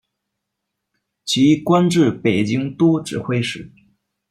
其官至北京都指挥使。